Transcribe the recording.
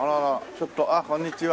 ちょっとこんにちは。